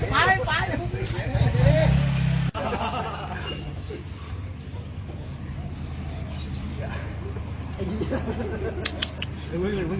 หรืออยู่ในสมุนสมุนติด